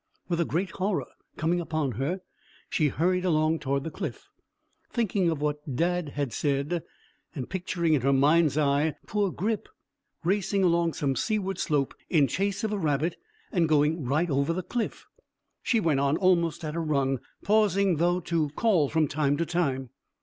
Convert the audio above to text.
With a great horror coming upon her, she hurried along towards the cliff, thinking of what Dadd had said, and picturing in her mind's eye poor Grip racing along some seaward slope in chase of a rabbit, and going right over the cliff, she went on almost at a run, pausing, though, to call from time to time.